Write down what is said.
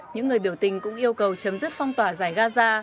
những người biểu tình cũng yêu cầu chấm dứt phong tỏa giải gaza